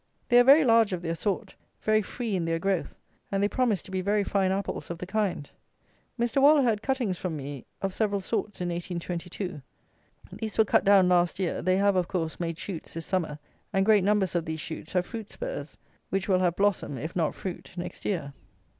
They are very large of their sort; very free in their growth; and they promise to be very fine apples of the kind. Mr. Waller had cuttings from me off several sorts, in 1822. These were cut down last year; they have, of course, made shoots this summer; and great numbers of these shoots have fruit spurs, which will have blossom, if not fruit, next year.